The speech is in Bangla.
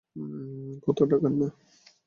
কথা টাকার না।